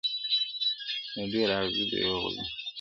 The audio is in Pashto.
o د ډېري اغزى، د يوه غوزى٫